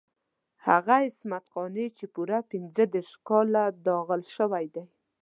هغه عصمت قانع چې پوره پنځه دېرش کاله داغل شوی دی.